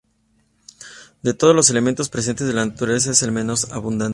De todos los elementos presentes en la naturaleza es el menos abundante.